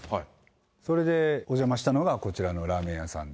それでお邪魔したのが、こちらのラーメン屋さんで。